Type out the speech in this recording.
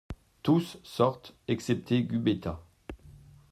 Tous sortent excepté Gubetta.